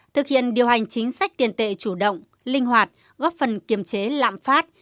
thực hiện điều hành chính sách tiền tệ chủ động linh hoạt góp phần kiềm chế lạm phát